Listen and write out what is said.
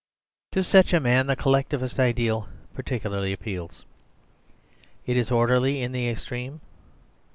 To such a man the Collectivist ideal particularly appeals. It is orderly in the extreme.